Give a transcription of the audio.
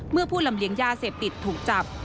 ผู้ลำเลียงยาเสพติดถูกจับ